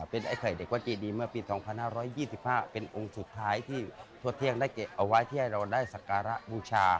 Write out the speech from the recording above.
เป็นไอ้ไข่เด็กวัดเจดีเมื่อปี๒๕๒๕เป็นองค์สุดท้ายที่ทั่วเที่ยงได้เก็บเอาไว้ที่ให้เราได้สักการะบูชา